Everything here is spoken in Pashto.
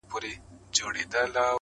• توتکۍ ورته په سرو سترګو ژړله -